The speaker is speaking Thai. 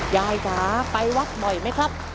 ยายคะไปวัดบ่อยไหมครับ